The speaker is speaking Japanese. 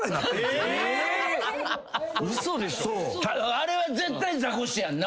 あれは絶対ザコシやんな。